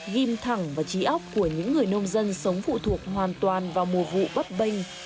ghim thẳng và trí ốc của những người nông dân sống phụ thuộc hoàn toàn vào mùa vụ bấp bênh